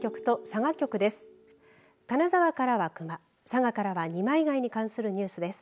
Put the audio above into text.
佐賀からは二枚貝に関するニュースです。